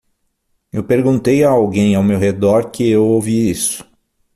Eu perguntei a alguém ao meu redor que eu ouvi isso.